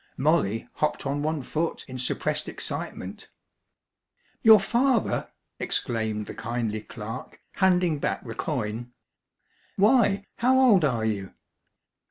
Molly hopped on one foot in suppressed excitement. "Your father!" exclaimed the kindly clerk, handing back the coin. "Why, how old are you?"